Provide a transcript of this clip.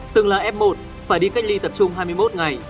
từng là f một phải đi cách ly tập trung hai mươi một ngày